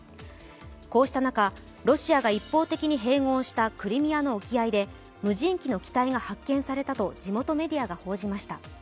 こうした中、ロシアが一方的に併合したクリミアの沖合で無人機の機体が発見されたと地元メディアが報じました。